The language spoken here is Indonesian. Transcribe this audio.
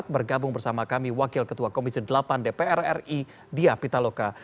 bergabung bersama kami wakil ketua komisi delapan dpr ri dia pitaloka